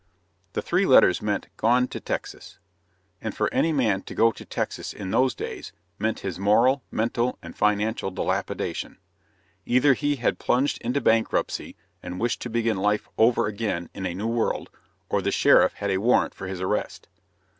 The three letters meant "gone to Texas"; and for any man to go to Texas in those days meant his moral, mental, and financial dilapidation. Either he had plunged into bankruptcy and wished to begin life over again in a new world, or the sheriff had a warrant for his arrest.